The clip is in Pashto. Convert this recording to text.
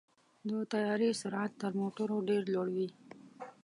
د طیارې سرعت تر موټرو ډېر لوړ وي.